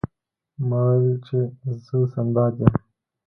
ما وویل چې زه سنباد یم.